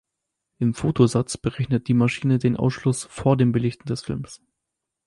Im Fotosatz berechnet die Maschine den Ausschluss vor dem Belichten des Films.